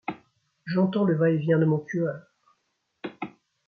j'entends le va-et-vient de mon cueur. ..